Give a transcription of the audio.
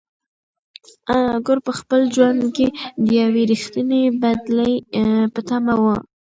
انارګل په خپل ژوند کې د یوې رښتینې بدلې په تمه و.